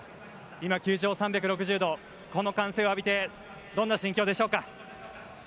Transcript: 今、球場３６０度この歓声を浴びてどんな心境でしょうか？